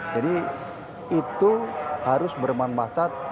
jadi itu harus bermanfaat